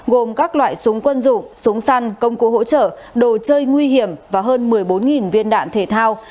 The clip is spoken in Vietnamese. gồm các loại súng quân dụng súng săn công cụ hỗ trợ đồ chơi nguy hiểm và hơn một mươi bốn viên đạn thể thao